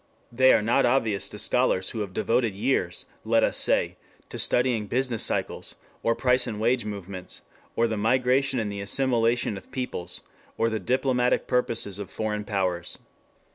They are not obvious to scholars who have devoted years, let us say, to studying business cycles, or price and wage movements, or the migration and the assimilation of peoples, or the diplomatic purposes of foreign powers.